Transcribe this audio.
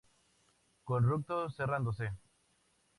Conducto cerrándose.